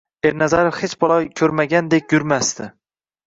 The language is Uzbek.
Ernazarov hech balo ko`rmagandek yurmasdi